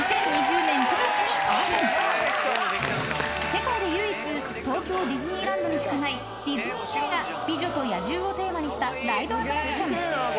［世界で唯一東京ディズニーランドにしかないディズニー映画『美女と野獣』をテーマにしたライドアトラクション］